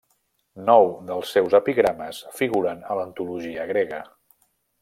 Nou dels seus epigrames figuren a l'antologia grega.